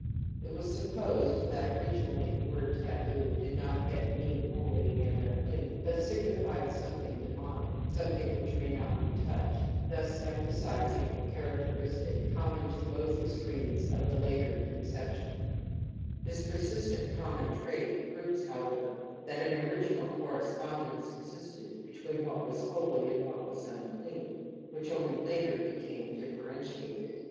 It was supposed that originally the world taboo did not yet mean holy and imclean but signified something demonic, something which may not be touched, thus em THE AMBIVALENCE OF EMOTIONS 118 phasizing a characteristic common to both ex tremes of the later conception ; this persistent common trait proves, however, that an original correspondence existed between what was holy and what was miclean, which only later became differentiated.